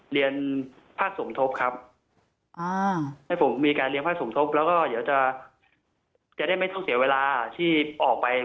เรียนภาคสมทบครับอ่าให้ผมมีการเลี้ยภาคสมทบแล้วก็เดี๋ยวจะได้ไม่ต้องเสียเวลาที่ออกไป